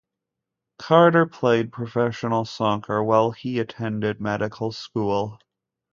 Carter played professional soccer while he attended medical school.